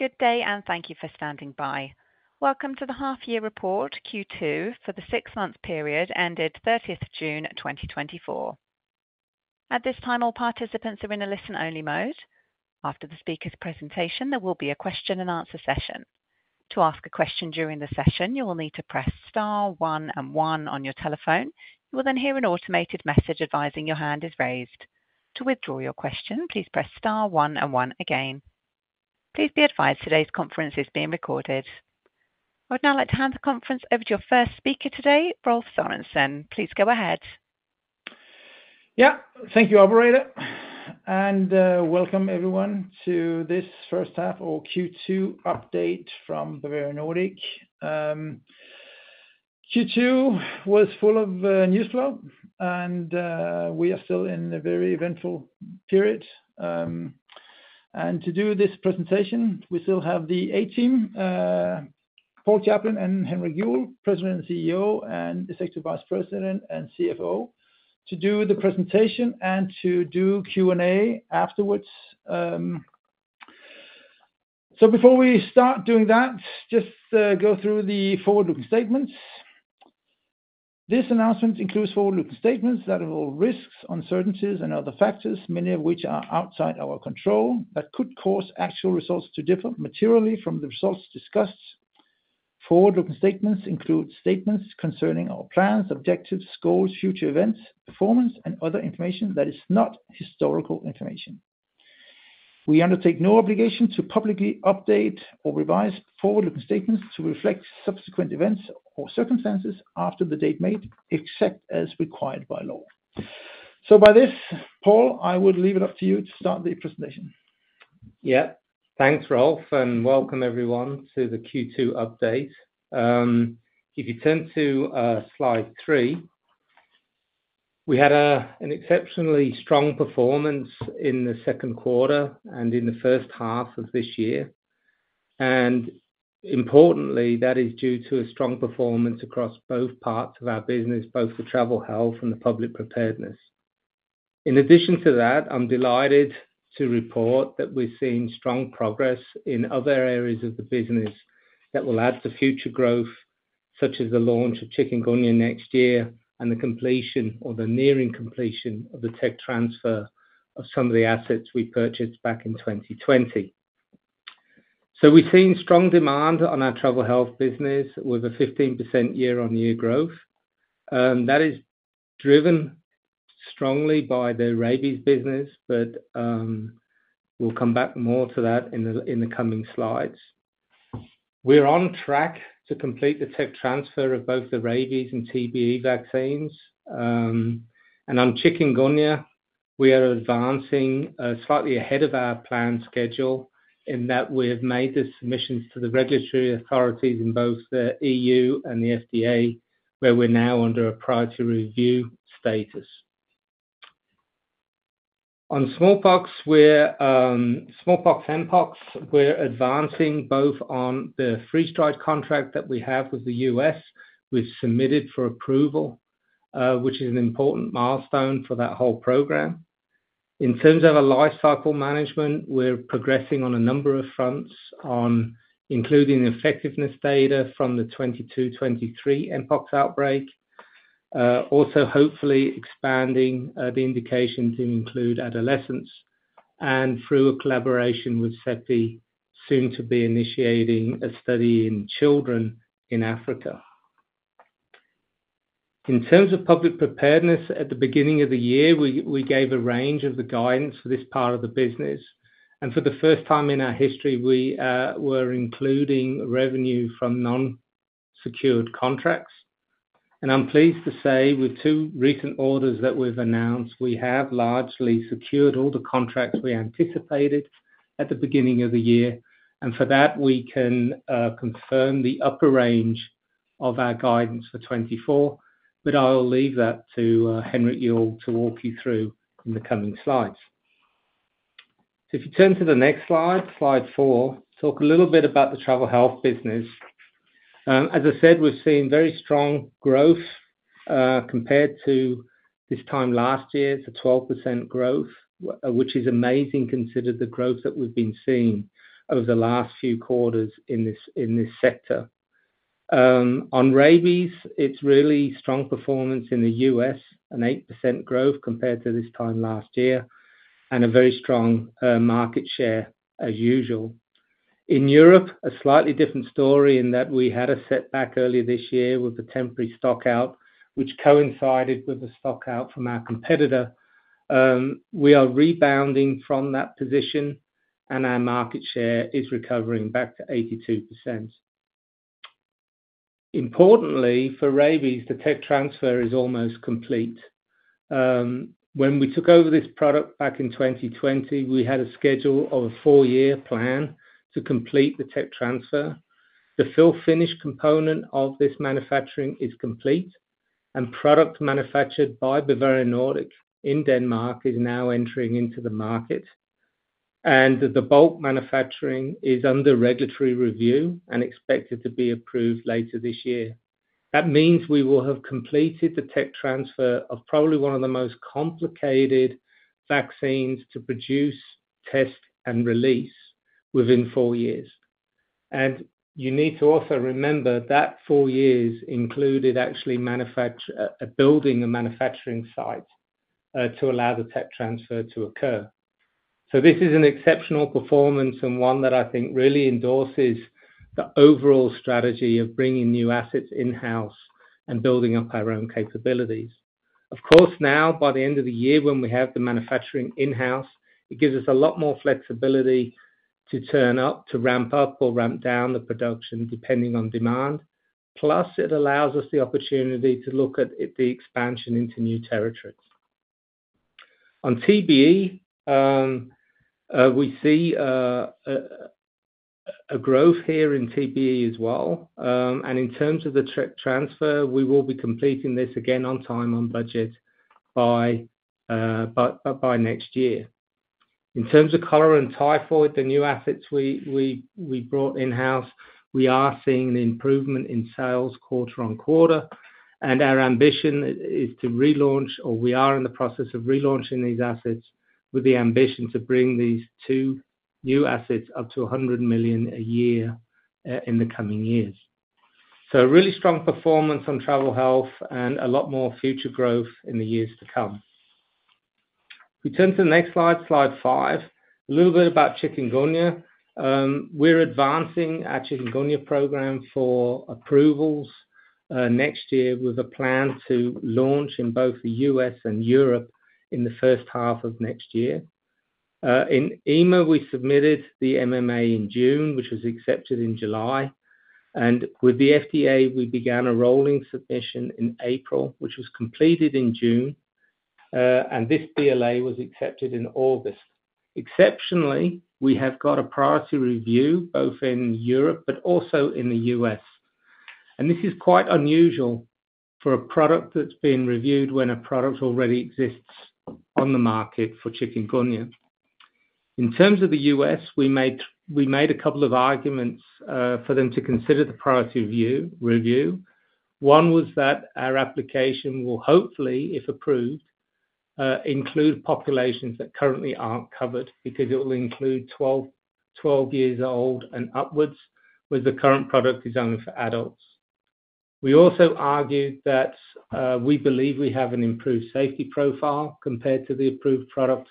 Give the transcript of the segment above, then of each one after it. Good day, and thank you for standing by. Welcome to the half-year report, Q2, for the six-month period ended June 30th, 2024. At this time, all participants are in a listen-only mode. After the speaker's presentation, there will be a question-and-answer session. To ask a question during the session, you will need to press star, one, and one on your telephone. You will then hear an automated message advising your hand is raised. To withdraw your question, please press star, one, and one again. Please be advised, today's conference is being recorded. I would now like to hand the conference over to your first speaker today, Rolf Sørensen. Please go ahead. Yeah. Thank you, operator, and welcome everyone to this first half or Q2 update from Bavarian Nordic. Q2 was full of news flow, and we are still in a very eventful period, and to do this presentation, we still have the A team, Paul Chaplin and Henrik Juuel, President and CEO and Executive Vice President and CFO, to do the presentation and to do Q&A afterwards, so before we start doing that, just go through the forward-looking statements. This announcement includes forward-looking statements that involve risks, uncertainties, and other factors, many of which are outside our control, that could cause actual results to differ materially from the results discussed. Forward-looking statements include statements concerning our plans, objectives, goals, future events, performance, and other information that is not historical information. We undertake no obligation to publicly update or revise forward-looking statements to reflect subsequent events or circumstances after the date made, except as required by law, so by this, Paul, I would leave it up to you to start the presentation. Yeah. Thanks, Rolf, and welcome everyone to the Q2 update. If you turn to slide three, we had an exceptionally strong performance in the second quarter and in the first half of this year, and importantly, that is due to a strong performance across both parts of our business, both the travel health and the public preparedness. In addition to that, I'm delighted to report that we've seen strong progress in other areas of the business that will add to future growth, such as the launch of Chikungunya next year and the completion or the nearing completion of the tech transfer of some of the assets we purchased back in 2020. So we've seen strong demand on our travel health business, with a 15% year-on-year growth. That is driven strongly by the rabies business, but we'll come back more to that in the coming slides. We're on track to complete the tech transfer of both the rabies and TBE vaccines, and on Chikungunya, we are advancing slightly ahead of our planned schedule in that we have made the submissions to the regulatory authorities in both the EU and the FDA, where we're now under a priority review status. On smallpox, mpox, we're advancing both on the freeze-dried contract that we have with the U.S. We've submitted for approval, which is an important milestone for that whole program. In terms of a life cycle management, we're progressing on a number of fronts, including the effectiveness data from the 2022-2023 mpox outbreak. Also hopefully expanding the indication to include adolescents and through a collaboration with CEPI, soon to be initiating a study in children in Africa. In terms of public preparedness, at the beginning of the year, we gave a range of the guidance for this part of the business, and for the first time in our history, we were including revenue from non-secured contracts, and I'm pleased to say, with two recent orders that we've announced, we have largely secured all the contracts we anticipated at the beginning of the year, and for that, we can confirm the upper range of our guidance for 2024, but I will leave that to Henrik Juuel to walk you through in the coming slides, so if you turn to the next slide, slide four, talk a little bit about the travel health business. As I said, we've seen very strong growth, compared to this time last year. It's a 12% growth, which is amazing, considering the growth that we've been seeing over the last few quarters in this sector. On rabies, it's really strong performance in the U.S., an 8% growth compared to this time last year, and a very strong market share as usual. In Europe, a slightly different story in that we had a setback earlier this year with the temporary stockout, which coincided with the stockout from our competitor. We are rebounding from that position, and our market share is recovering back to 82%. Importantly, for rabies, the tech transfer is almost complete. When we took over this product back in 2020, we had a schedule of a four-year plan to complete the tech transfer. The fill finish component of this manufacturing is complete, and the product manufactured by Bavarian Nordic in Denmark is now entering into the market, and the bulk manufacturing is under regulatory review and expected to be approved later this year. That means we will have completed the tech transfer of probably one of the most complicated vaccines to produce, test, and release within four years. You need to also remember that four years include building the manufacturing site to allow the tech transfer to occur. This is an exceptional performance and one that I think really endorses the overall strategy of bringing new assets in-house and building up our own capabilities. Of course, now, by the end of the year, when we have the manufacturing in-house, it gives us a lot more flexibility to turn up, to ramp up or ramp down the production, depending on demand. Plus, it allows us the opportunity to look at the expansion into new territories. On TBE, we see a growth here in TBE as well. And in terms of the tech transfer, we will be completing this again on time, on budget by next year. In terms of cholera and typhoid, the new assets we brought in-house, we are seeing an improvement in sales quarter on quarter, and our ambition is to relaunch, or we are in the process of relaunching these assets, with the ambition to bring these two new assets up to a hundred million a year, in the coming years. So a really strong performance on travel health and a lot more future growth in the years to come. We turn to the next slide, slide five. A little bit about Chikungunya. We're advancing our Chikungunya program for approvals, next year, with a plan to launch in both the US and Europe in the first half of next year. In EMA, we submitted the MAA in June, which was accepted in July, and with the FDA, we began a rolling submission in April, which was completed in June, and this BLA was accepted in August. Exceptionally, we have got a priority review, both in Europe but also in the U.S., and this is quite unusual for a product that's being reviewed when a product already exists on the market for Chikungunya. In terms of the U.S., we made a couple of arguments for them to consider the priority review. One was that our application will hopefully, if approved, include populations that currently aren't covered, because it will include 12 years old and upwards, where the current product is only for adults.F We also argued that we believe we have an improved safety profile compared to the approved product,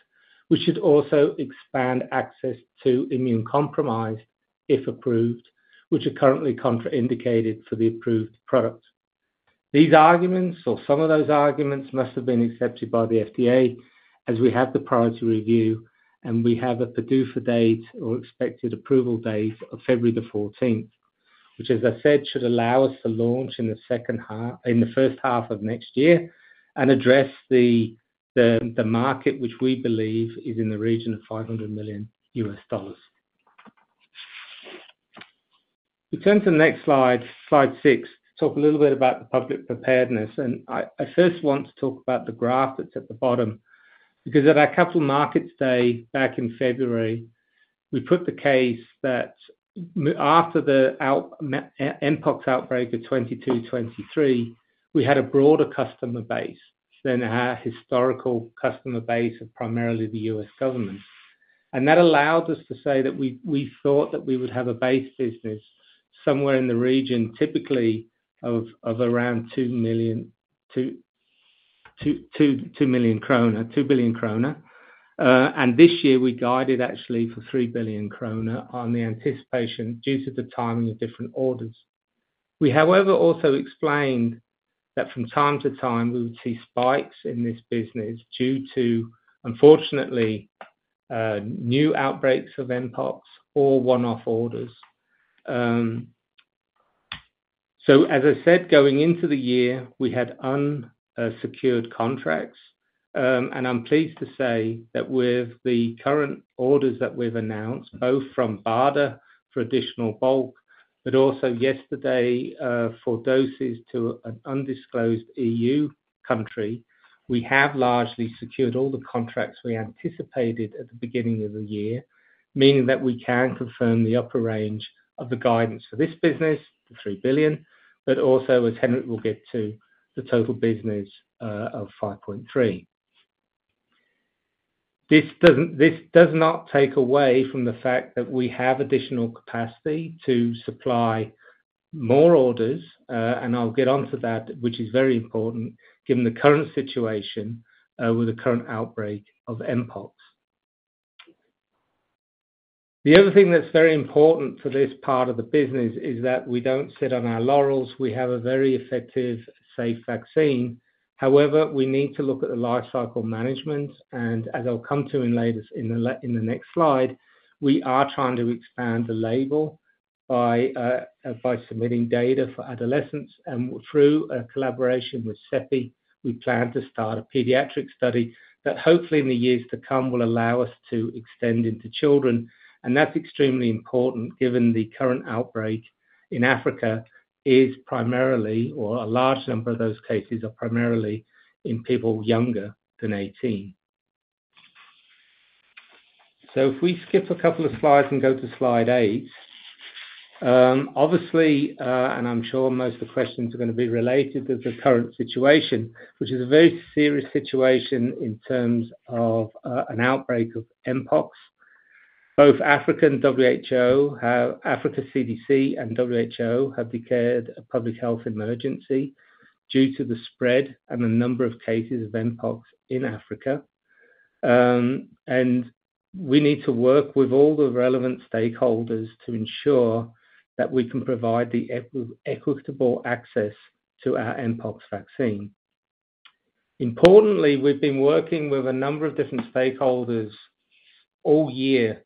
which should also expand access to immunocompromised, if approved, which are currently contraindicated for the approved product. These arguments or some of those arguments must have been accepted by the FDA, as we have the priority review, and we have a PDUFA date or expected approval date of February 14th, which, as I said, should allow us to launch in the second half, in the first half of next year and address the market, which we believe is in the region of $500 million. We turn to the next slide, slide six, to talk a little bit about the public preparedness, and I first want to talk about the graph that's at the bottom, because at our capital markets day, back in February, we put the case that after the mpox outbreak of 2022, 2023, we had a broader customer base than our historical customer base of primarily the U.S. government. And that allowed us to say that we thought that we would have a base business somewhere in the region, typically of around 2 billion kroner. And this year, we guided actually for 3 billion kroner on the anticipation due to the timing of different orders. We, however, also explained that from time to time, we would see spikes in this business due to, unfortunately, new outbreaks of mpox or one-off orders. So as I said, going into the year, we had secured contracts, and I'm pleased to say that with the current orders that we've announced, both from BARDA, for additional bulk, but also yesterday, for doses to an undisclosed EU country, we have largely secured all the contracts we anticipated at the beginning of the year, meaning that we can confirm the upper range of the guidance for this business, 3 billion, but also, as Henrik will get to, the total business, of 5.3 billion. This does not take away from the fact that we have additional capacity to supply more orders, and I'll get on to that, which is very important given the current situation with the current outbreak of mpox. The other thing that's very important for this part of the business is that we don't sit on our laurels. We have a very effective, safe vaccine. However, we need to look at the lifecycle management, and as I'll come to in the next slide, we are trying to expand the label by submitting data for adolescents, and through a collaboration with CEPI, we plan to start a pediatric study that hopefully in the years to come, will allow us to extend into children. That's extremely important, given the current outbreak in Africa is primarily, or a large number of those cases are primarily in people younger than eighteen. If we skip a couple of slides and go to slide eight, obviously, and I'm sure most of the questions are gonna be related to the current situation, which is a very serious situation in terms of an outbreak of mpox. Africa CDC and WHO have declared a public health emergency due to the spread and the number of cases of mpox in Africa. We need to work with all the relevant stakeholders to ensure that we can provide the equitable access to our mpox vaccine. Importantly, we've been working with a number of different stakeholders all year,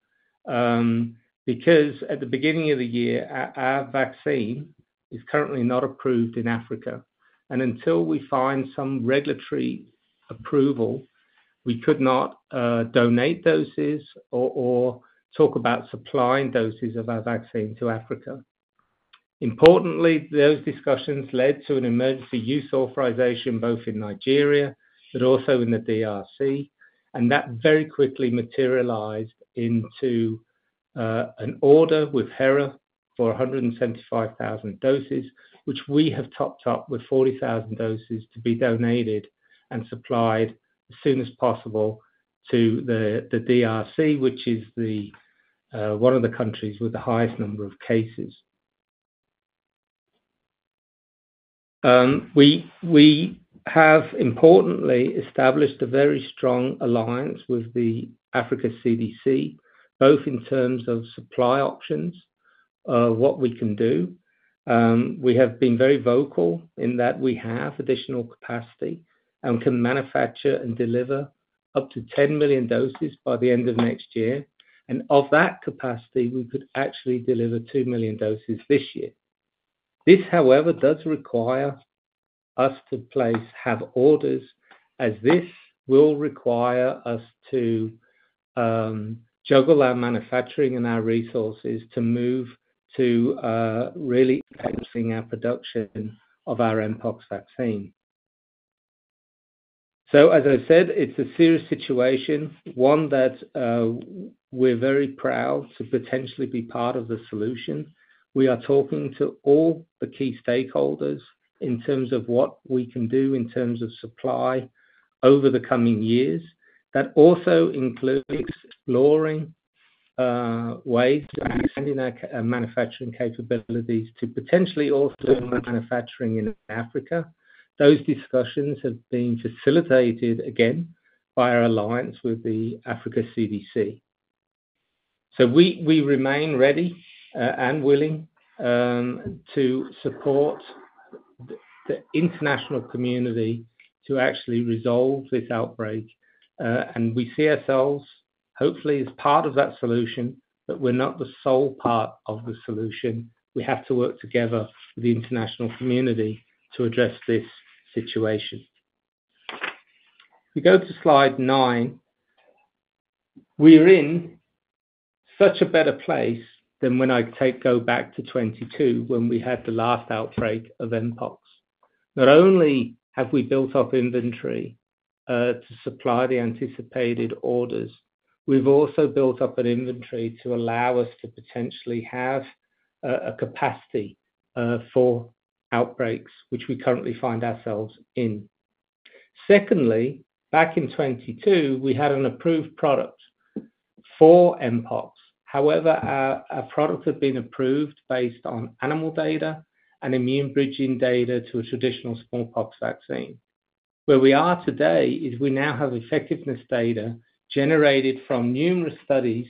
because at the beginning of the year, our vaccine is currently not approved in Africa, and until we find some regulatory approval, we could not donate doses or talk about supplying doses of our vaccine to Africa. Importantly, those discussions led to an emergency use authorization, both in Nigeria but also in the DRC, and that very quickly materialized into an order with HERA for 175,000 doses, which we have topped up with 40,000 doses to be donated and supplied as soon as possible to the DRC, which is one of the countries with the highest number of cases. We have importantly established a very strong alliance with the Africa CDC, both in terms of supply options, of what we can do. We have been very vocal in that we have additional capacity and can manufacture and deliver up to 10 million doses by the end of next year, and of that capacity, we could actually deliver two million doses this year. This, however, does require us to place orders, as this will require us to juggle our manufacturing and our resources to move to really increasing our production of our mpox vaccine. As I said, it's a serious situation, one that we're very proud to potentially be part of the solution. We are talking to all the key stakeholders in terms of what we can do in terms of supply over the coming years. That also includes exploring ways to expanding our manufacturing capabilities to potentially also manufacturing in Africa. Those discussions have been facilitated, again, by our alliance with the Africa CDC. So we remain ready and willing to support the international community to actually resolve this outbreak. And we see ourselves hopefully as part of that solution, but we're not the sole part of the solution. We have to work together with the international community to address this situation. We go to slide nine. We're in such a better place than when we go back to 2022, when we had the last outbreak of mpox. Not only have we built up inventory to supply the anticipated orders, we've also built up an inventory to allow us to potentially have a capacity for outbreaks which we currently find ourselves in. Secondly, back in 2022, we had an approved product for mpox. However, our product had been approved based on animal data and immune bridging data to a traditional smallpox vaccine. Where we are today is we now have effectiveness data generated from numerous studies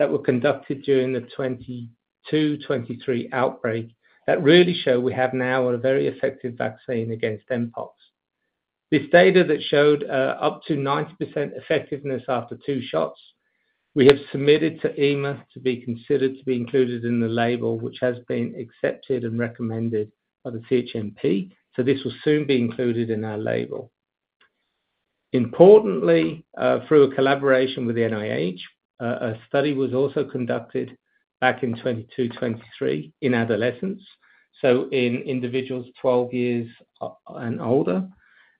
that were conducted during the 2022-2023 outbreak, that really show we have now a very effective vaccine against mpox. This data that showed up to 90% effectiveness after two shots, we have submitted to EMA to be considered to be included in the label, which has been accepted and recommended by the CHMP, so this will soon be included in our label. Importantly, through a collaboration with the NIH, a study was also conducted back in 2022-2023 in adolescents, so in individuals 12 years and older.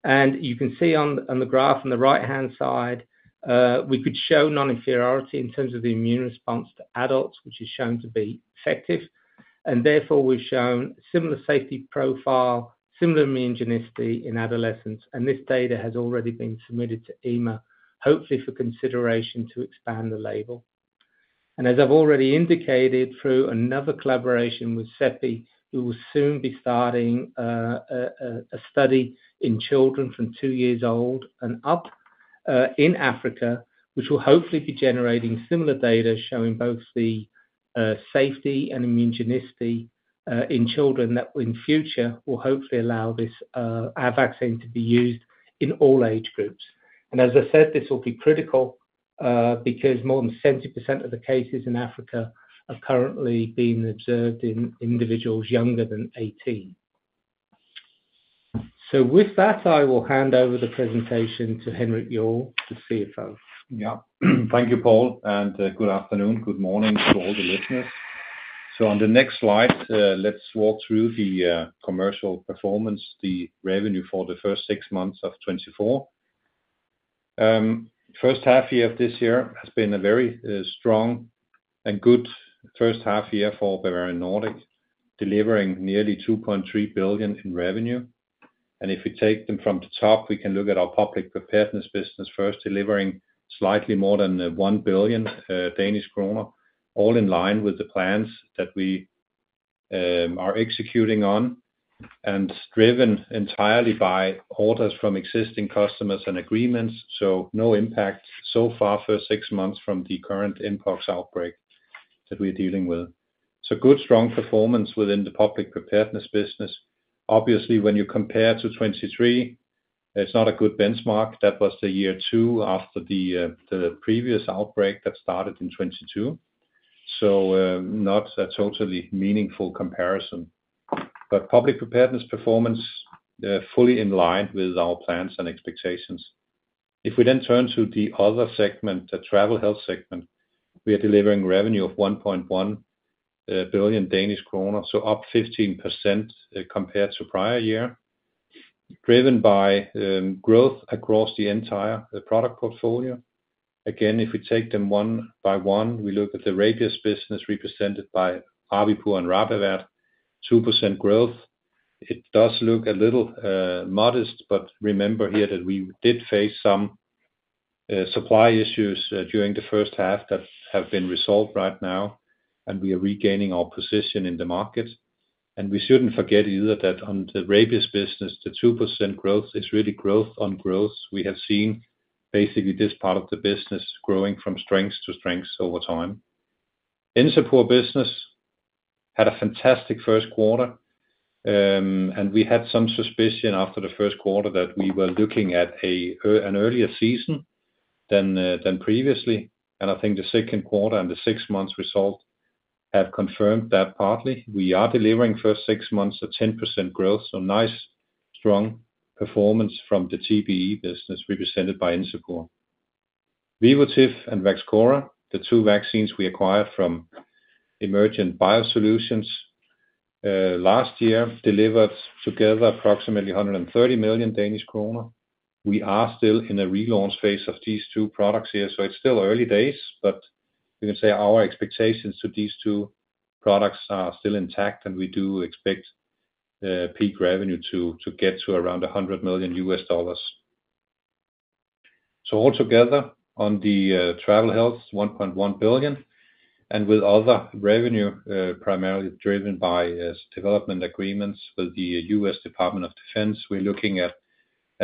You can see on the graph on the right-hand side, we could show non-inferiority in terms of the immune response to adults, which is shown to be effective. Therefore, we've shown similar safety profile, similar immunogenicity in adolescents, and this data has already been submitted to EMA, hopefully for consideration to expand the label. As I've already indicated, through another collaboration with CEPI, we will soon be starting a study in children from two years old and up, in Africa, which will hopefully be generating similar data, showing both the safety and immunogenicity, in children that in future will hopefully allow this, our vaccine to be used in all age groups. As I said, this will be critical, because more than 70% of the cases in Africa are currently being observed in individuals younger than 18. With that, I will hand over the presentation to Henrik Juuel, the CFO. Yeah. Thank you, Paul, and good afternoon, good morning to all the listeners. So on the next slide, let's walk through the commercial performance, the revenue for the first six months of 2024. First half year of this year has been a very strong and good first half year for Bavarian Nordic, delivering nearly 2.3 billion in revenue. And if we take them from the top, we can look at our public preparedness business first, delivering slightly more than 1 billion Danish kroner, all in line with the plans that we are executing on, and driven entirely by orders from existing customers and agreements. So no impact so far for six months from the current mpox outbreak that we are dealing with. So good, strong performance within the public preparedness business. Obviously, when you compare to 2023, it's not a good benchmark. That was the year two after the previous outbreak that started in 2022, so not a totally meaningful comparison, but public preparedness performance fully in line with our plans and expectations. If we then turn to the other segment, the travel health segment, we are delivering revenue of 1.1 billion Danish kroner, so up 15% compared to prior year, driven by growth across the entire product portfolio. Again, if we take them one by one, we look at the rabies business represented by Rabipur and RabAvert, 2% growth. It does look a little modest, but remember here that we did face some supply issues during the first half that have been resolved right now, and we are regaining our position in the market. We shouldn't forget either that on the rabies business, the 2% growth is really growth on growth. We have seen basically this part of the business growing from strength to strength over time. Encepur business had a fantastic first quarter, and we had some suspicion after the first quarter that we were looking at an earlier season than previously. I think the second quarter and the six months result have confirmed that partly. We are delivering first six months of 10% growth, so nice, strong performance from the TBE business represented by Encepur. Vivotif and Vaxchora, the two vaccines we acquired from Emergent BioSolutions last year, delivered together approximately 130 million Danish kroner. We are still in a relaunch phase of these two products here, so it's still early days, but we can say our expectations to these two products are still intact, and we do expect peak revenue to get to around $100 million, so altogether, on the travel health, $1.1 billion, and with other revenue primarily driven by development agreements with the U.S. Department of Defense, we're looking at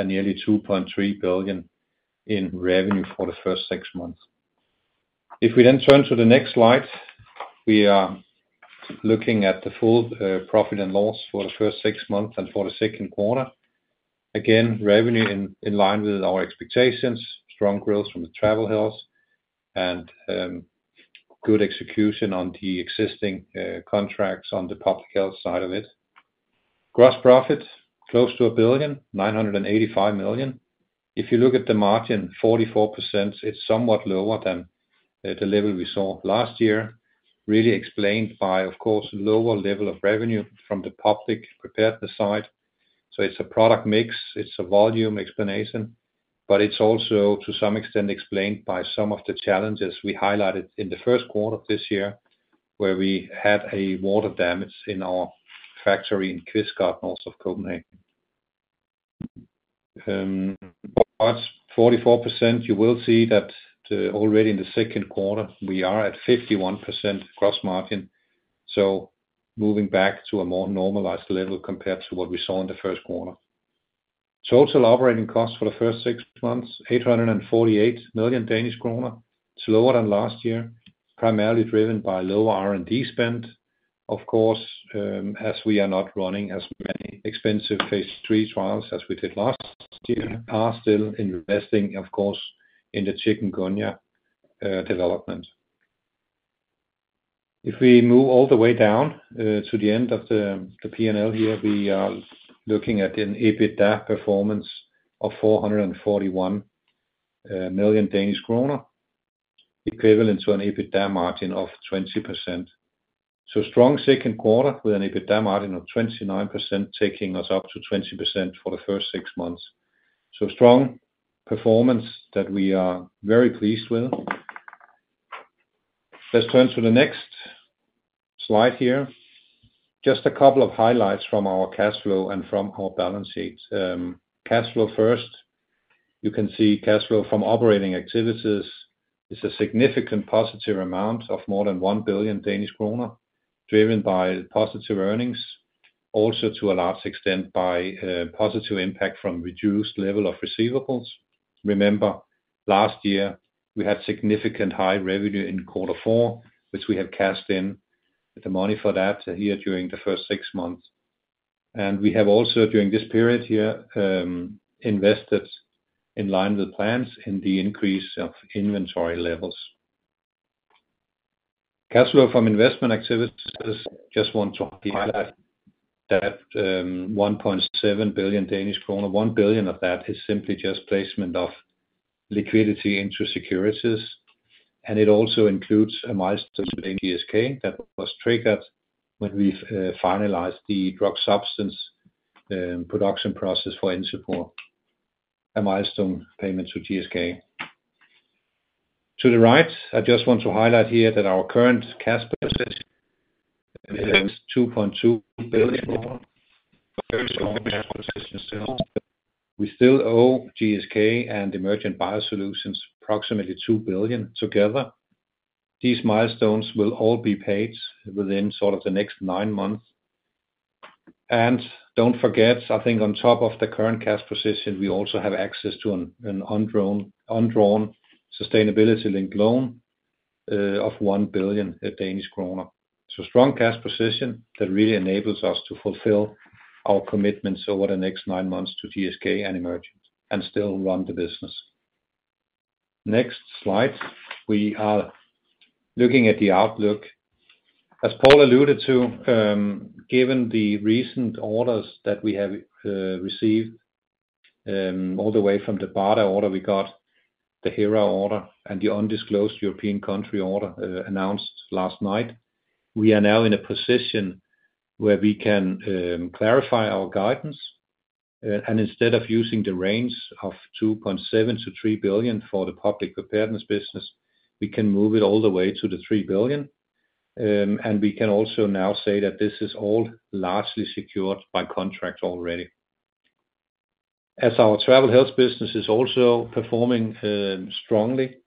nearly $2.3 billion in revenue for the first six months. If we then turn to the next slide, we are looking at the full profit and loss for the first six months and for the second quarter. Again, revenue in line with our expectations, strong growth from the travel health and good execution on the existing ,contracts on the public health side of it. Gross profit, close to 1 billion, 985 million. If you look at the margin, 44%, it's somewhat lower than the level we saw last year, really explained by, of course, lower level of revenue from the public preparedness side. So it's a product mix, it's a volume explanation, but it's also, to some extent, explained by some of the challenges we highlighted in the first quarter of this year, where we had water damage in our factory in Kvistgaard, north of Copenhagen. But 44%, you will see that already in the second quarter, we are at 51% gross margin, so moving back to a more normalized level compared to what we saw in the first quarter. Total operating costs for the first six months, 848 million Danish kroner. It's lower than last year, primarily driven by lower R&D spend, of course, as we are not running as many expensive phase III trials as we did last year, are still investing, of course, in the Chikungunya development. If we move all the way down to the end of the P&L here, we are looking at an EBITDA performance of 441 million Danish kroner, equivalent to an EBITDA margin of 20%. So strong second quarter with an EBITDA margin of 29%, taking us up to 20% for the first six months. So strong performance that we are very pleased with. Let's turn to the next slide here. Just a couple of highlights from our cash flow and from our balance sheet. Cash flow first. You can see cash flow from operating activities is a significant positive amount of more than 1 billion Danish kroner, driven by positive earnings, also to a large extent by positive impact from reduced level of receivables. Remember, last year, we had significant high revenue in quarter four, which we have cashed in the money for that here during the first six months, and we have also, during this period here, invested in line with plans in the increase of inventory levels. Cash flow from investment activities, just want to highlight that 1.7 billion Danish kroner. One billion of that is simply just placement of liquidity into securities, and it also includes a milestone with GSK that was triggered when we've finalized the drug substance production process for Encepur, a milestone payment to GSK. To the right, I just want to highlight here that our current cash position is 2.2 billion. We still owe GSK and Emergent BioSolutions approximately 2 billion together. These milestones will all be paid within sort of the next nine months, and don't forget, I think on top of the current cash position, we also have access to an undrawn sustainability-linked loan of 1 billion Danish kroner, so strong cash position that really enables us to fulfill our commitments over the next nine months to GSK and Emergent, and still run the business. Next slide, we are looking at the outlook. As Paul alluded to, given the recent orders that we have received, all the way from the BARDA order, we got the HERA order and the undisclosed European country order, announced last night. We are now in a position where we can clarify our guidance, and instead of using the range of 2.7-3 billion for the public preparedness business, we can move it all the way to the 3 billion, and we can also now say that this is all largely secured by contract already. As our travel health business is also performing strongly,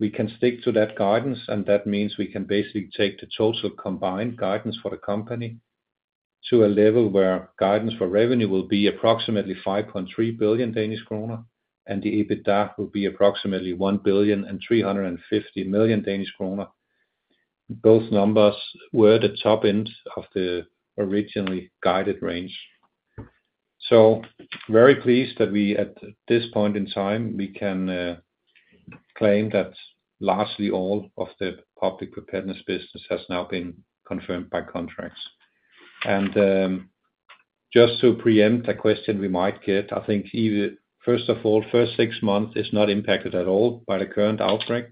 we can stick to that guidance, and that means we can basically take the total combined guidance for the company to a level where guidance for revenue will be approximately 5.3 billion Danish kroner, and the EBITDA will be approximately 1.35 billion. Both numbers were the top end of the originally guided range. So very pleased that we, at this point in time, we can claim that largely all of the public preparedness business has now been confirmed by contracts. And, just to preempt a question we might get, I think even first of all, first six months is not impacted at all by the current outbreak.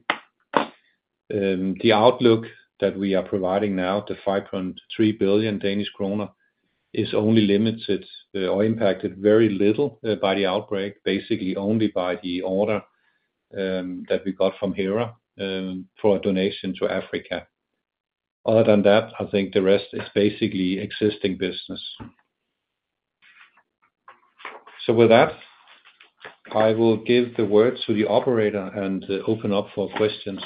The outlook that we are providing now, the 5.3 billion Danish kroner, is only limited or impacted very little by the outbreak, basically only by the order that we got from HERA for a donation to Africa. Other than that, I think the rest is basically existing business. So with that, I will give the word to the operator and open up for questions.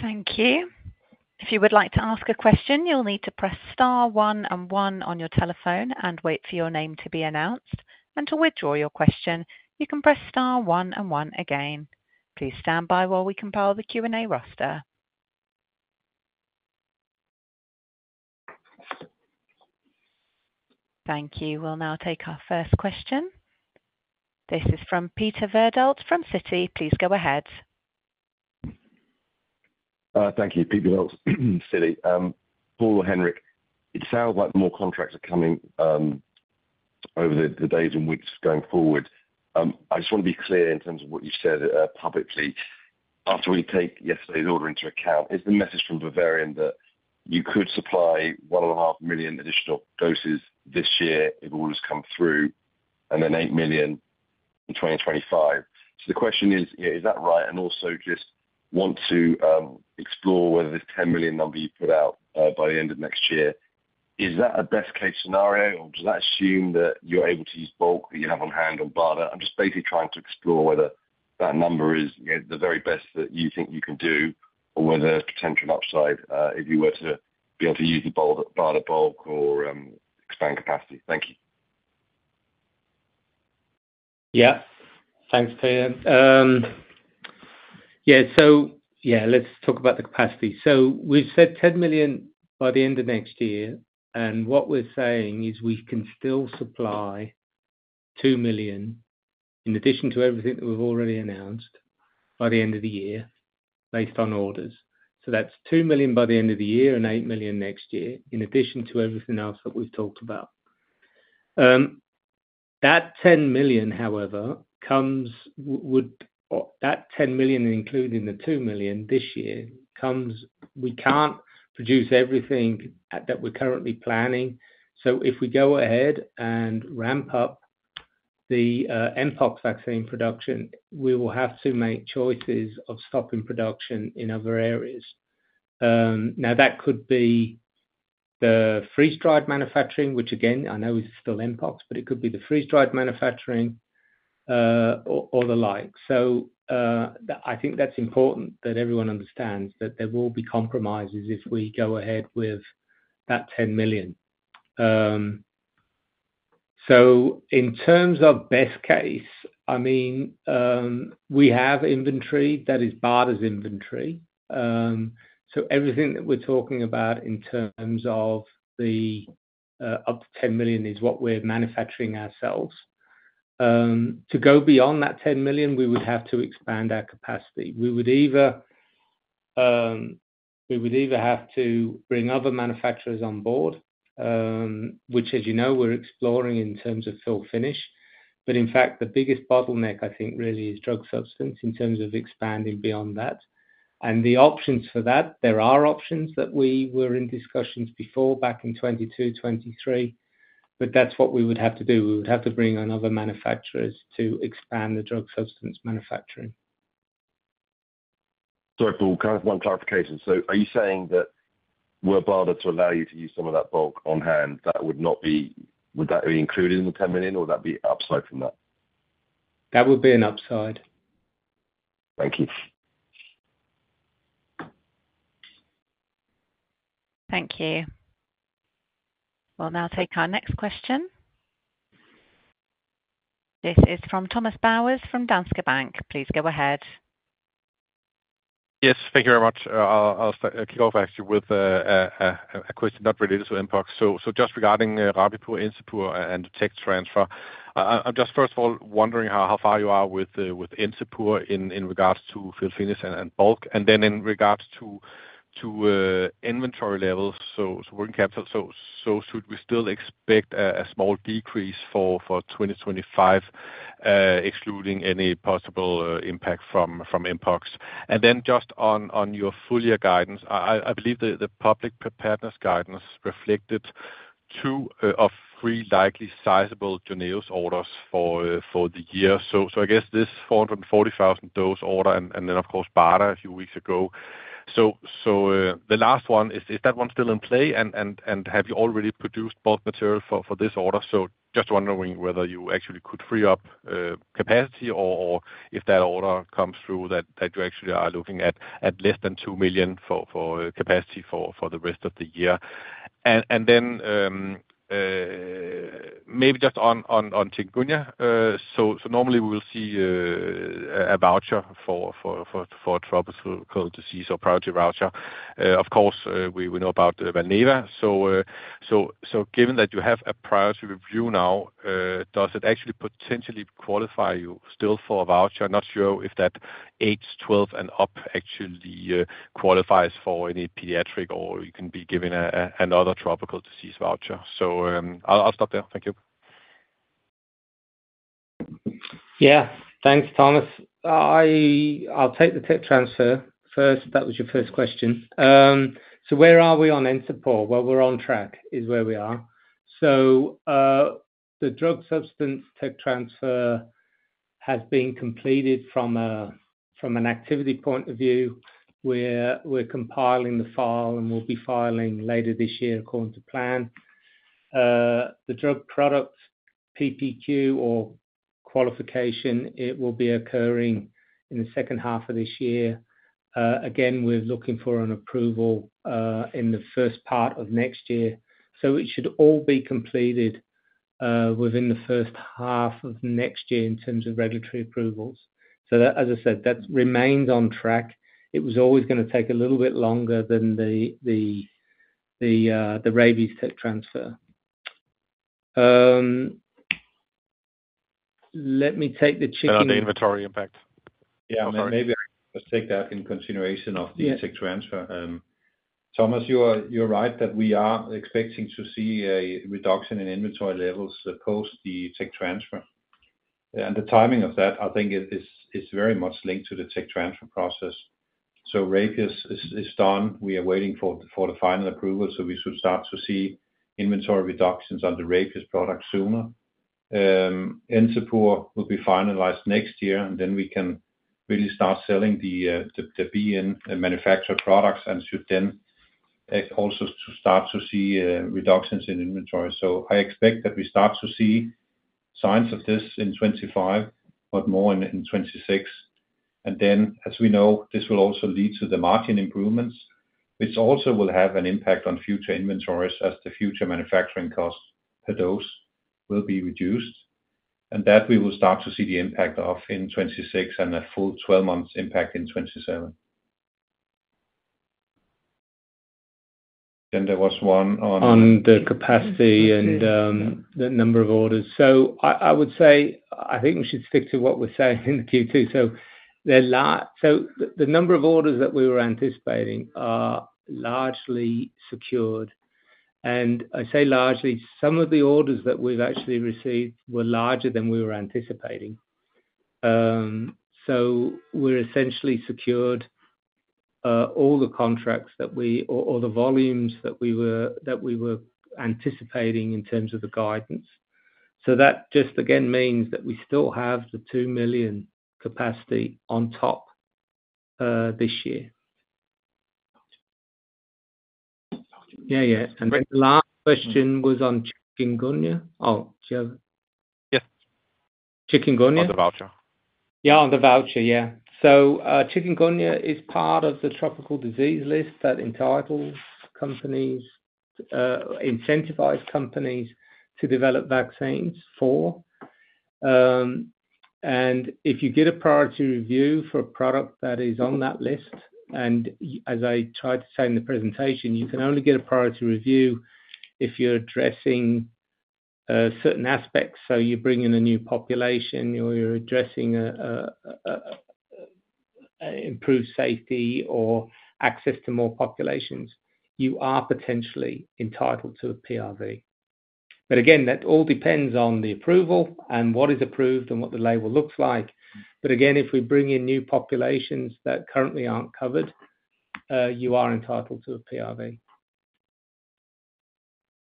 Thank you. If you would like to ask a question, you'll need to press star one and one on your telephone and wait for your name to be announced, and to withdraw your question, you can press star one and one again. Please stand by while we compile the Q&A roster. Thank you. We'll now take our first question. This is from Peter Verdult from Citi. Please go ahead. Thank you, Peter Verdult, Citi. Paul or Henrik, it sounds like more contracts are coming over the days and weeks going forward. I just want to be clear in terms of what you said publicly. After we take yesterday's order into account, is the message from Bavarian that you could supply one and a half million additional doses this year, if orders come through, and then eight million in 2025? So the question is, is that right? And also just want to explore whether this ten million number you put out by the end of next year, is that a best case scenario, or does that assume that you're able to use bulk that you have on hand on BARDA? I'm just basically trying to explore whether that number is the very best that you think you can do, or whether there's potential upside, if you were to be able to use the BARDA bulk or expand capacity. Thank you. Yeah. Thanks, Peter. Yeah, so yeah, let's talk about the capacity. We've said 10 million by the end of next year, and what we're saying is we can still supply 2 million, in addition to everything that we've already announced, by the end of the year, based on orders. So that's 2 million by the end of the year and 8 million next year, in addition to everything else that we've talked about. That 10 million, however, including the 2 million this year, comes. We can't produce everything that we're currently planning. If we go ahead and ramp up the mpox vaccine production, we will have to make choices of stopping production in other areas. Now that could be the freeze-dried manufacturing, which again, I know is still mpox, but it could be the freeze-dried manufacturing, or the like. So, I think that's important that everyone understands that there will be compromises if we go ahead with that 10 million. So in terms of best case, I mean, we have inventory that is BARDA's inventory. So everything that we're talking about in terms of the up to 10 million is what we're manufacturing ourselves. To go beyond that 10 million, we would have to expand our capacity. We would either have to bring other manufacturers on board, which, as you know, we're exploring in terms of fill finish. But in fact, the biggest bottleneck, I think, really is drug substance in terms of expanding beyond that. And the options for that, there are options that we were in discussions before back in 2022, 2023, but that's what we would have to do. We would have to bring on other manufacturers to expand the drug substance manufacturing. Sorry, Paul, can I have one clarification? So are you saying that were BARDA to allow you to use some of that bulk on hand, that would not be, would that be included in the 10 million, or would that be upside from that? That would be an upside. Thank you. Thank you. We'll now take our next question. This is from Thomas Bowers from Danske Bank. Please go ahead. Yes, thank you very much. I'll start, kick off actually with a question not related to mpox. So just regarding Rabipur, Encepur, and tech transfer, I'm just first of all wondering how far you are with Encepur in regards to fill finish and bulk, and then in regards to inventory levels, so working capital. So should we still expect a small decrease for 2025, excluding any possible impact from mpox? And then just on your full year guidance, I believe the public preparedness guidance reflected two of three likely sizable JYNNEOS orders for the year. So I guess this four hundred and forty thousand dose order, and then, of course, BARDA a few weeks ago. So the last one, is that one still in play? And have you already produced bulk material for this order? So just wondering whether you actually could free up capacity or if that order comes through, that you actually are looking at less than two million for capacity for the rest of the year. And then maybe just on Chikungunya. So normally we'll see a voucher for tropical disease or priority voucher. Of course we know about Valneva. So given that you have a priority review now, does it actually potentially qualify you still for a voucher? I'm not sure if that age twelve and up actually qualifies for any pediatric or you can be given another tropical disease voucher. So, I'll stop there. Thank you. Yeah. Thanks, Thomas. I'll take the tech transfer first, if that was your first question. So where are we on Encepur? Well, we're on track, is where we are. So, the drug substance tech transfer has been completed from an activity point of view, where we're compiling the file and we'll be filing later this year, according to plan. The drug product, PPQ or qualification, it will be occurring in the second half of this year. Again, we're looking for an approval in the first part of next year. So it should all be completed within the first half of next year in terms of regulatory approvals. So that, as I said, that remains on track. It was always gonna take a little bit longer than the Rabies tech transfer. Let me take the Chikungunya- On the inventory impact. Yeah. Sorry. Maybe let's take that in consideration of- Yeah... the tech transfer. Thomas, you're right that we are expecting to see a reduction in inventory levels post the tech transfer. The timing of that, I think it is very much linked to the tech transfer process. So Rabies is done. We are waiting for the final approval, so we should start to see inventory reductions on the Rabies product sooner. Encepur will be finalized next year, and then we can really start selling the BN and manufacture products, and should then also start to see reductions in inventory. So I expect that we start to see signs of this in 2025, but more in 2026. And then, as we know, this will also lead to the margin improvements, which also will have an impact on future inventories as the future manufacturing costs per dose will be reduced, and that we will start to see the impact of in 2026 and a full 12 months impact in 2027. Then there was one on- On the capacity and the number of orders. So I would say, I think we should stick to what we're saying in Q2. So the number of orders that we were anticipating are largely secured, and I say largely, some of the orders that we've actually received were larger than we were anticipating. So we're essentially secured all the contracts that we or the volumes that we were anticipating in terms of the guidance. So that just again means that we still have the two million capacity on top this year. Yeah, yeah. Right. The last question was on Chikungunya. Oh, yeah. Yes. Chikungunya? On the voucher. Yeah, on the voucher, yeah. So, Chikungunya is part of the tropical disease list that entitles companies, incentivizes companies to develop vaccines for. And if you get a priority review for a product that is on that list, and as I tried to say in the presentation, you can only get a priority review if you're addressing certain aspects. So you bring in a new population, or you're addressing improved safety or access to more populations, you are potentially entitled to a PRV. But again, that all depends on the approval and what is approved and what the label looks like. But again, if we bring in new populations that currently aren't covered, you are entitled to a PRV.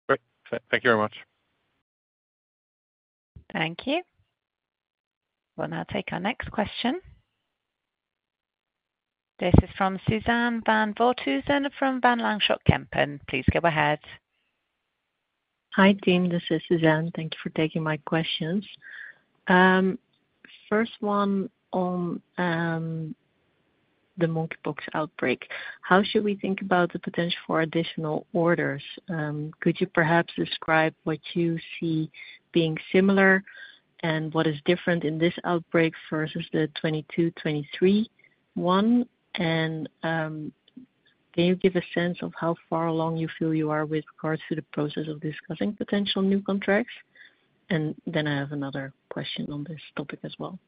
Great. Thank you very much. Thank you. We'll now take our next question. This is from Suzanne van Voorthuizen from Van Lanschot Kempen. Please go ahead. Hi, team. This is Suzanne. Thank you for taking my questions. First one on the monkeypox outbreak. How should we think about the potential for additional orders? Could you perhaps describe what you see being similar and what is different in this outbreak versus the 2022, 2023 one? And can you give a sense of how far along you feel you are with regards to the process of discussing potential new contracts? And then I have another question on this topic as well.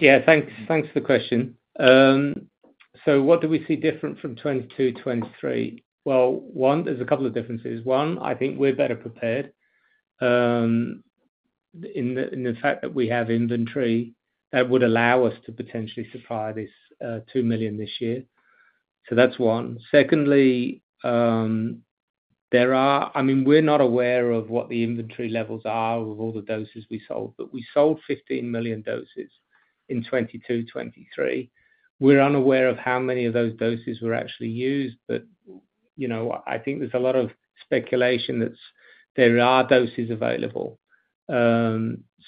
Yeah. Thanks, thanks for the question. So what do we see different from 2022, 2023? One, there's a couple of differences. One, I think we're better prepared in the fact that we have inventory that would allow us to potentially supply this 2 million this year. So that's one. Secondly, I mean, we're not aware of what the inventory levels are with all the doses we sold, but we sold 15 million doses in 2022, 2023. We're unaware of how many of those doses were actually used, but you know, I think there's a lot of speculation that's there are doses available.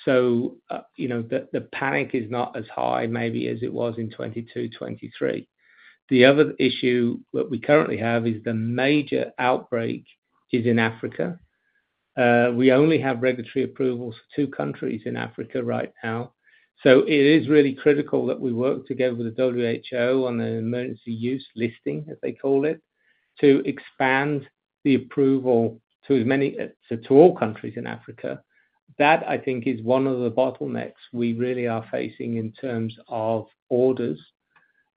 So you know, the panic is not as high maybe as it was in 2022, 2023. The other issue that we currently have is the major outbreak is in Africa. We only have regulatory approvals for two countries in Africa right now. So it is really critical that we work together with the WHO on an emergency use listing, as they call it, to expand the approval to as many, so to all countries in Africa. That, I think, is one of the bottlenecks we really are facing in terms of orders.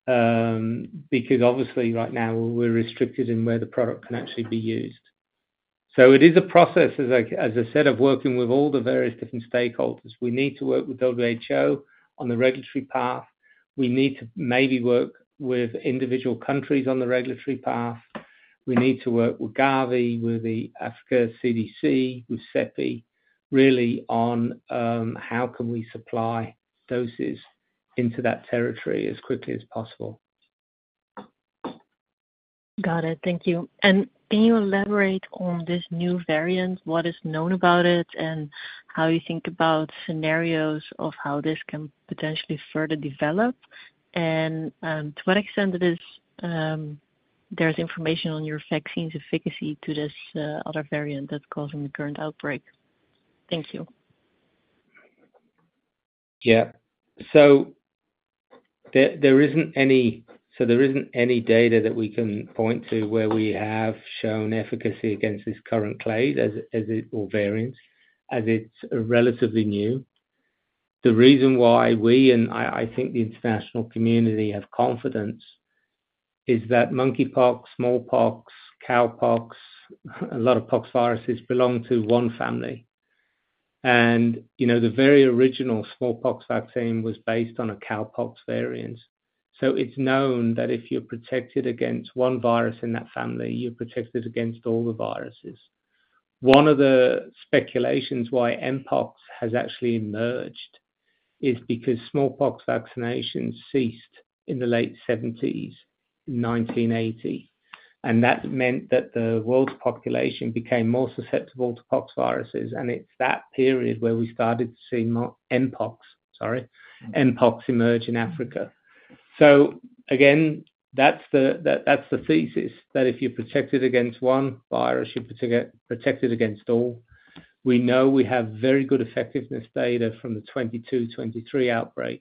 Because obviously, right now, we're restricted in where the product can actually be used. So it is a process, as I said, of working with all the various different stakeholders. We need to work with WHO on the regulatory path. We need to maybe work with individual countries on the regulatory path. We need to work with Gavi, with the Africa CDC, with CEPI, really on, how can we supply doses into that territory as quickly as possible. Got it. Thank you. And can you elaborate on this new variant, what is known about it, and how you think about scenarios of how this can potentially further develop? And, to what extent it is, there's information on your vaccine's efficacy to this, other variant that's causing the current outbreak? Thank you. Yeah. So there isn't any data that we can point to where we have shown efficacy against this current clade or variants, as it's relatively new. The reason why we and I think the international community have confidence is that monkeypox, smallpox, cowpox, a lot of pox viruses belong to one family. And, you know, the very original smallpox vaccine was based on a cowpox variant. So it's known that if you're protected against one virus in that family, you're protected against all the viruses. One of the speculations why mpox has actually emerged is because smallpox vaccinations ceased in the late 1970s, 1980, and that meant that the world's population became more susceptible to poxviruses. And it's that period where we started to see mpox, sorry, mpox emerge in Africa. So again, that's the thesis, that if you're protected against one virus, you're protected against all. We know we have very good effectiveness data from the 2022-2023 outbreak.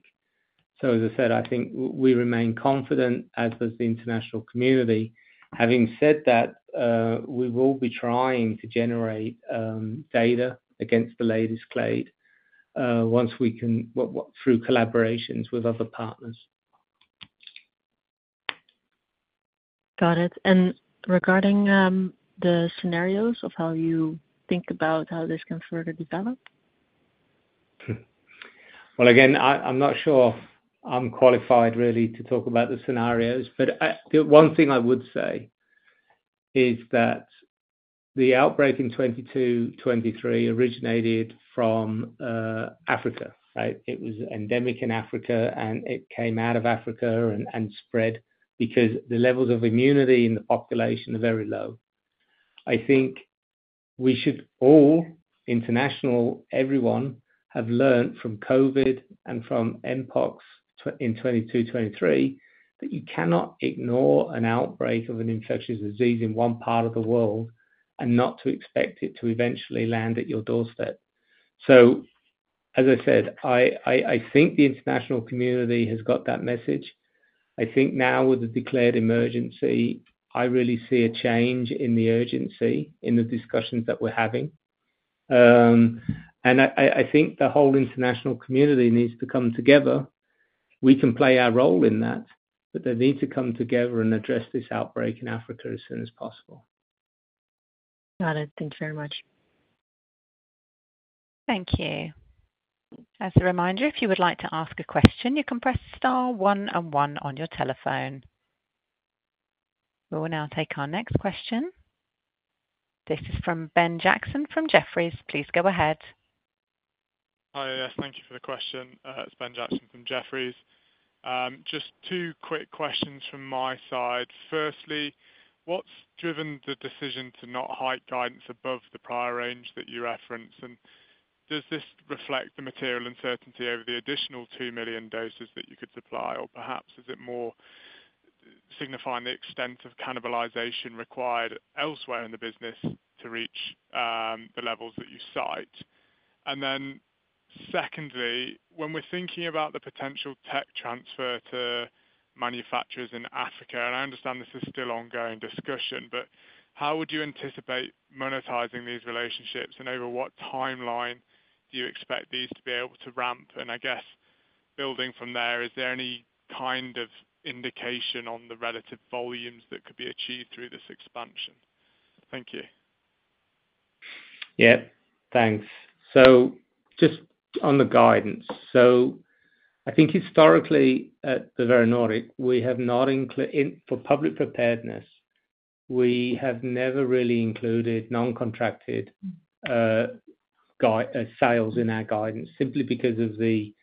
So as I said, I think we remain confident, as does the international community. Having said that, we will be trying to generate data against the latest clade, once we can through collaborations with other partners. Got it. And regarding the scenarios of how you think about how this can further develop? Well, again, I'm not sure I'm qualified really to talk about the scenarios, but the one thing I would say is that the outbreak in 2022, 2023 originated from Africa, right? It was endemic in Africa, and it came out of Africa and spread because the levels of immunity in the population are very low. I think we should all, international, everyone, have learned from COVID and from mpox in 2022, 2023, that you cannot ignore an outbreak of an infectious disease in one part of the world and not to expect it to eventually land at your doorstep. As I said, I think the international community has got that message. I think now with the declared emergency, I really see a change in the urgency in the discussions that we're having. I think the whole international community needs to come together. We can play our role in that, but they need to come together and address this outbreak in Africa as soon as possible. Got it. Thank you very much. Thank you. As a reminder, if you would like to ask a question, you can press star one and one on your telephone. We will now take our next question. This is from Ben Jackson from Jefferies. Please go ahead. Hi, yes, thank you for the question. It's Ben Jackson from Jefferies. Just two quick questions from my side. Firstly, what's driven the decision to not hike guidance above the prior range that you referenced? And does this reflect the material uncertainty over the additional 2 million doses that you could supply? Or perhaps, it more signifying the extent of cannibalization required elsewhere in the business to reach the levels that you cite? And then secondly, when we're thinking about the potential tech transfer to manufacturers in Africa, and I understand this is still an ongoing discussion, but how would you anticipate monetizing these relationships? And over what timeline do you expect these to be able to ramp? And I guess building from there, is there any kind of indication on the relative volumes that could be achieved through this expansion? Thank you. Yeah, thanks. So just on the guidance, so I think historically at Bavarian Nordic, we have not included, for public preparedness, we have never really included non-contracted sales in our guidance, simply because of the,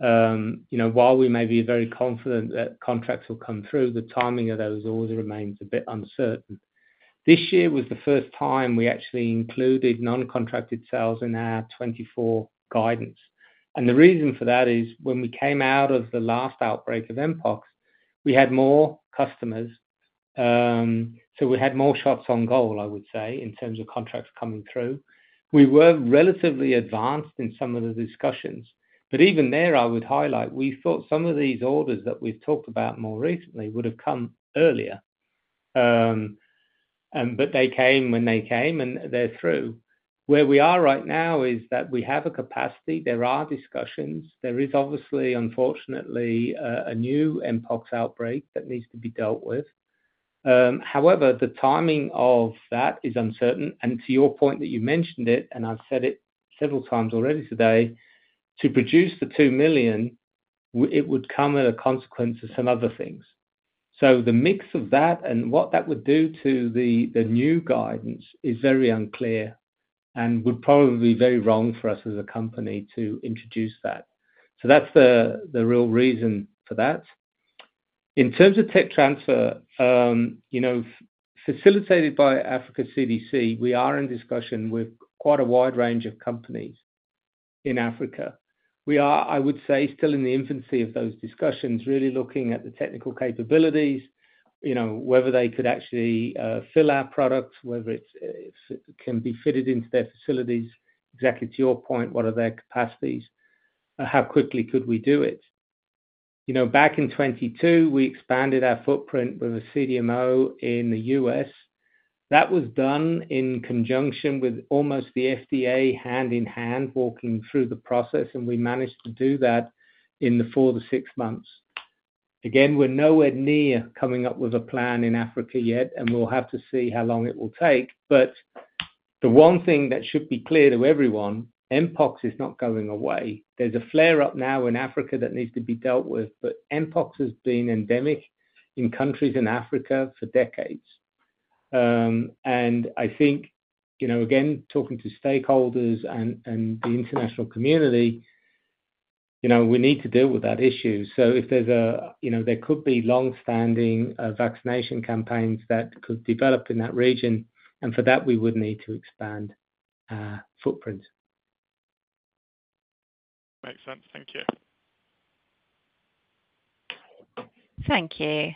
you know, while we may be very confident that contracts will come through, the timing of those always remains a bit uncertain. This year was the first time we actually included non-contracted sales in our 2024 guidance. And the reason for that is when we came out of the last outbreak of mpox, we had more customers. So we had more shots on goal, I would say, in terms of contracts coming through. We were relatively advanced in some of the discussions, but even there, I would highlight, we thought some of these orders that we've talked about more recently would have come earlier. And but they came when they came, and they're through. Where we are right now is that we have a capacity. There are discussions. There is obviously, unfortunately, a new mpox outbreak that needs to be dealt with. However, the timing of that is uncertain. And to your point that you mentioned it, and I've said it several times already today, to produce the two million, it would come at a consequence of some other things. So the mix of that and what that would do to the new guidance is very unclear and would probably be very wrong for us as a company to introduce that. So that's the real reason for that. In terms of tech transfer, you know, facilitated by Africa CDC, we are in discussion with quite a wide range of companies in Africa. We are, I would say, still in the infancy of those discussions, really looking at the technical capabilities, you know, whether they could actually fill our products, whether it can be fitted into their facilities. Exactly to your point, what are their capacities? How quickly could we do it? You know, back in 2022, we expanded our footprint with a CDMO in the U.S. That was done in conjunction with almost the FDA, hand in hand, walking through the process, and we managed to do that in four to six months. Again, we're nowhere near coming up with a plan in Africa yet, and we'll have to see how long it will take, but the one thing that should be clear to everyone, mpox is not going away. There's a flare up now in Africa that needs to be dealt with, but mpox has been endemic in countries in Africa for decades. And I think, you know, again, talking to stakeholders and the international community, you know, we need to deal with that issue. So if there's a... You know, there could be longstanding vaccination campaigns that could develop in that region, and for that, we would need to expand our footprint. Makes sense. Thank you. Thank you.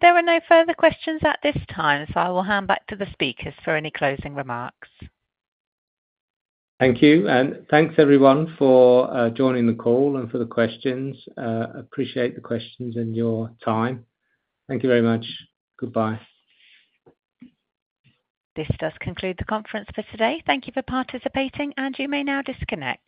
There are no further questions at this time, so I will hand back to the speakers for any closing remarks. Thank you, and thanks, everyone, for joining the call and for the questions. Appreciate the questions and your time. Thank you very much. Goodbye. This does conclude the conference for today. Thank you for participating, and you may now disconnect.